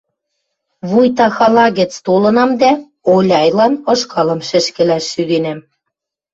Вуйта хала гӹц толынам дӓ, Оляйлан ышкалым шӹшкӹлӓш шӱденӓм...